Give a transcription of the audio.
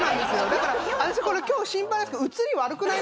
だから私これ今日心配なんですけど。